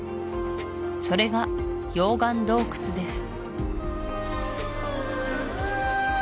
それが溶岩洞窟です